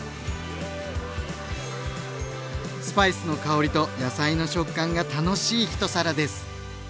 スパイスの香りと野菜の食感が楽しい一皿です！